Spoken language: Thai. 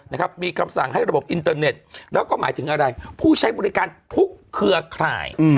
นะครับมีคำสั่งให้ระบบอินเตอร์เน็ตแล้วก็หมายถึงอะไรผู้ใช้บริการทุกเครือข่าย